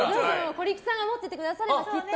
小力さんが持っててくださればきっと。